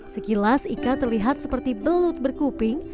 sekilas ikan terlihat seperti belut berkuping